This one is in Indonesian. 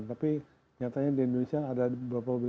tapi nyatanya di indonesia ada beberapa wilayah